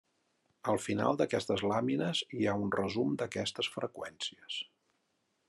Al final d'aquestes làmines hi ha un resum d'aquestes freqüències.